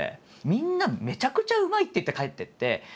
みんな「めちゃくちゃうまい！」って言って帰ってって。